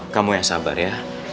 kamu yang sabar ya